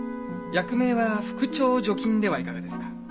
役名は副長助勤ではいかがですか？